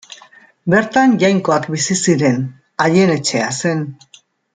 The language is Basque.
Bertan jainkoak bizi ziren; haien etxea zen.